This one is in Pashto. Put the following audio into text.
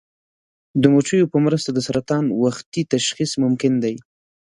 د مچیو په مرسته د سرطان وختي تشخیص ممکن دی.